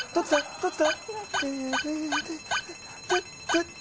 どっちだ？